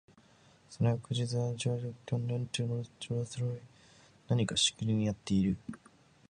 その翌日吾輩は例のごとく縁側に出て心持ち善く昼寝をしていたら、主人が例になく書斎から出て来て吾輩の後ろで何かしきりにやっている